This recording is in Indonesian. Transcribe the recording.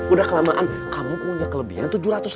udah kelamaan kamu punya kelebihan tujuh ratus